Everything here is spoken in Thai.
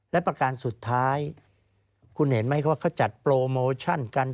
และประการสุดท้ายคุณเห็นไหมว่าเขาจัดโปรโมชั่นกัน